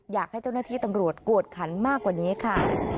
อยากให้เจ้าหน้าที่ตำรวจกวดขันมากกว่านี้ค่ะ